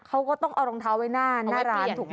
เขาก็ต้องเอารองเท้าไว้หน้าร้านถูกไหม